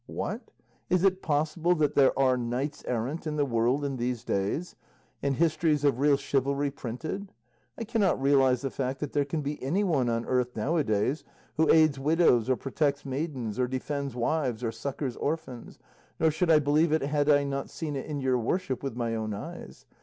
What! is it possible that there are knights errant in the world in these days, and histories of real chivalry printed? I cannot realise the fact that there can be anyone on earth now a days who aids widows, or protects maidens, or defends wives, or succours orphans; nor should I believe it had I not seen it in your worship with my own eyes.